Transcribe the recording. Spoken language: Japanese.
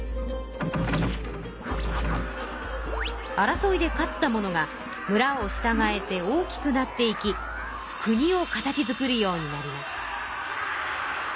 争いで勝った者がむらをしたがえて大きくなっていきくにを形づくるようになります。